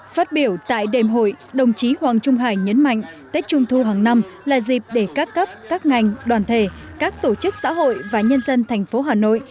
phát biểu tại đêm hội đồng chí hoàng trung hải nhấn mạnh tết trung thu hàng năm là dịp để các cấp các ngành đoàn thể các tổ chức xã hội và nhân dân thành phố hà nội